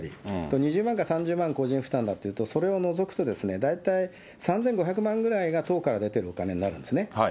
２０万から３０万個人負担だというと、それを除くと大体３５００万ぐらいが党から出てるお金になるんですね。